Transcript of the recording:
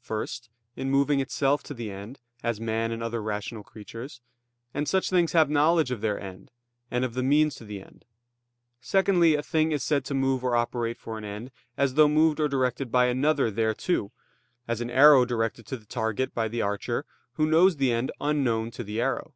First, in moving itself to the end, as man and other rational creatures; and such things have knowledge of their end, and of the means to the end. Secondly, a thing is said to move or operate for an end, as though moved or directed by another thereto, as an arrow directed to the target by the archer, who knows the end unknown to the arrow.